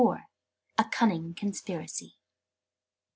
A CUNNING CONSPIRACY.